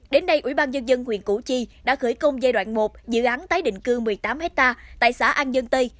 đến nay ubnd huyện củ chi đã khởi công giai đoạn một dự án tái định cư một mươi tám hectare tại xã an dân tây